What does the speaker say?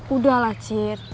udah lah cip